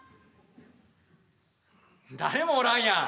誰もおらんやん。